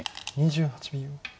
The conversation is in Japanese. ２８秒。